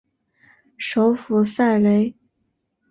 首府塞雷。